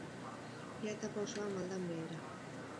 Ia etapa osoa maldan behera.